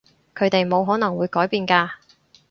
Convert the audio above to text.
佢哋冇可能會改變㗎